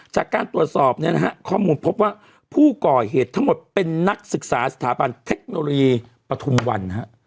จากการตรวจสอบข้อมูลพบว่าผู้ก่อเหตุทั้งหมดเป็นนักศึกษาสถาบันเทคโนโลยีปฐุมวัน